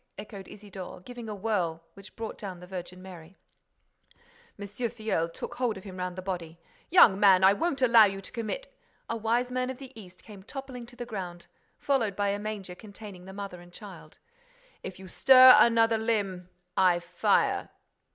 echoed Isidore, giving a whirl which brought down the Virgin Mary. M. Filleul took hold of him round the body: "Young man, I won't allow you to commit—" A wise man of the East came toppling to the ground, followed by a manger containing the Mother and Child. ... "If you stir another limb, I fire!"